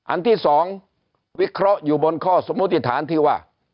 อันที่๒วิเคราะห์อยู่บนข้อสมมุติฐานที่ว่า